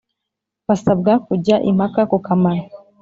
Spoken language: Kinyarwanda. basabwa kujya impaka ku kamaro